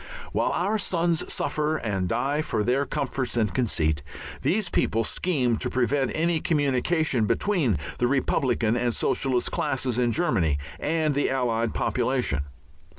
While our sons suffer and die for their comforts and conceit, these people scheme to prevent any communication between the Republican and Socialist classes in Germany and the Allied population.